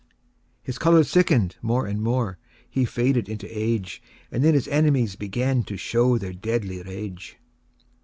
VI. His colour sicken'd more and more, He faded into age; And then his enemies began To show their deadly rage.